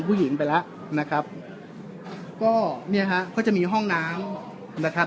ผู้หญิงไปแล้วนะครับก็เนี่ยฮะก็จะมีห้องน้ำนะครับ